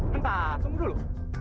bentar semua dulu